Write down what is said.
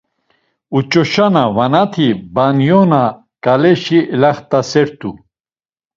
Uç̌oşona vanati Baniyona ǩaleşi elaxt̆asert̆u.